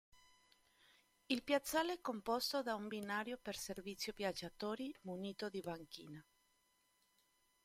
Il piazzale è composto da un binario per servizio viaggiatori munito di banchina.